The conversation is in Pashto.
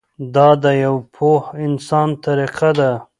دا د یوه پوه انسان طریقه ده.